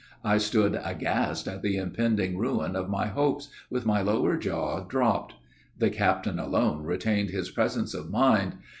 I stood aghast at the impending ruin of my hopes, with my lower jaw dropped. The captain alone retained his presence of mind.